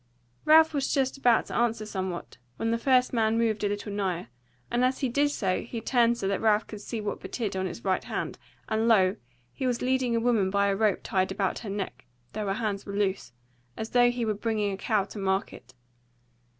Ralph was just about to answer somewhat, when the first man moved a little nigher, and as he did so he turned so that Ralph could see what betid on his right hand; and lo! he was leading a woman by a rope tied about her neck (though her hands were loose), as though he were bringing a cow to market.